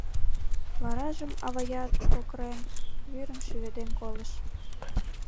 Варажым аваят, кокырен, вӱрым шӱведен колыш.